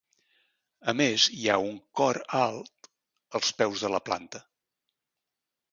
A més hi ha un cor alt als peus de la planta.